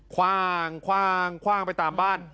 คว่างไปตามบ้าน